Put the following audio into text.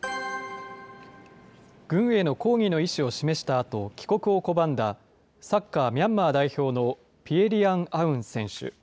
軍への抗議の意思を示したあと、帰国を拒んだ、サッカーミャンマー代表のピエ・リアン・アウン選手。